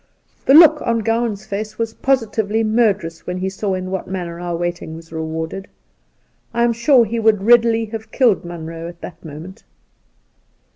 The look on Gowan's face was positively murderous when he saw in what manner our waiting was rewarded. I am sure he would readily have killed Munroe at that moment.